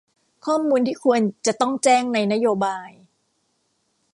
ข้อมูลที่ควรจะต้องแจ้งในนโยบาย